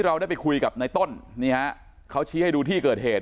เราได้ไปคุยกับในต้นนี่ฮะเขาชี้ให้ดูที่เกิดเหตุ